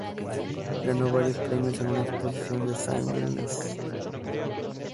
Ganó varios premios en una exposición de Saint Louis.